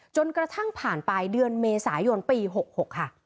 จนกระทั่งผ่านไปเดือนเมษายนปี๖๖ค่ะ